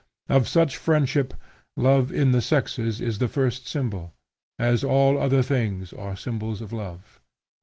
Of such friendship, love in the sexes is the first symbol, as all other things are symbols of love.